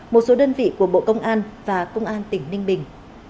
một số đơn vị của bộ công an và công an tỉnh ninh bình